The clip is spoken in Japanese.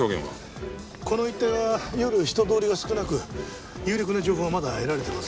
この一帯は夜人通りが少なく有力な情報はまだ得られてません。